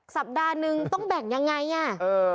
สัปดาห์นึงต้องแบ่งยังไงอ่ะ